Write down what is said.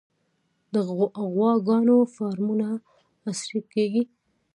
د غواګانو فارمونه عصري کیږي